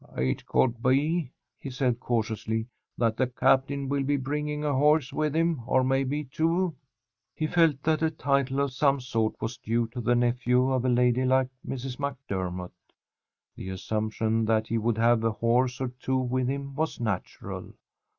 "It could be," he said, cautiously, "that the captain will be bringing a horse with him, or maybe two." He felt that a title of some sort was due to the nephew of a lady like Mrs. MacDennott. The assumption that he would have a horse or two with him was natural.